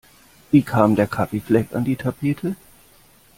Wie kam der Kaffeefleck an die Tapete?